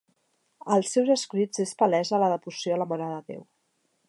Als seus escrits és palesa la devoció a la Mare de Déu.